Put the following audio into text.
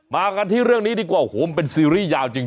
มากันที่เรื่องนี้ดีกว่าโอ้โหมันเป็นซีรีส์ยาวจริง